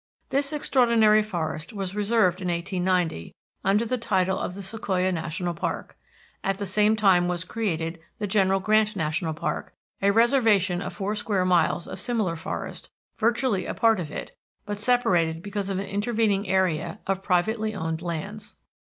This extraordinary forest was reserved in 1890 under the title of the Sequoia National Park. At the same time was created the General Grant National Park, a reservation of four square miles of similar forest, virtually a part of it, but separated because of an intervening area of privately owned lands.